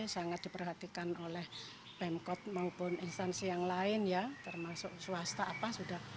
sangat diperhatikan oleh pemkot maupun instansi yang lain ya termasuk swasta apa sudah